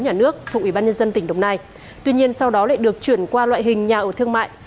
thuộc ủy ban nhân dân tp hcm tuy nhiên sau đó lại được chuyển qua loại hình nhà ở thương mại